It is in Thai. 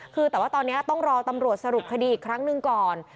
คือแต่ว่าตอนนี้ต้องรอตำรวจสรุปคดีอีกครั้งหนึ่งก่อน